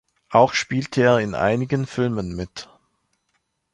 Auch spielte er in einigen Filmen mit.